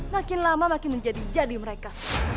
makin lama makin menjadi jadi mereka